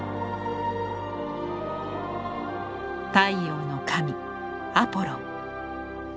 太陽の神アポロン。